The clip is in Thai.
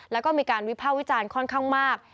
แล้วก็มีการวิภาควิจารณ์ค่อนข้างมาก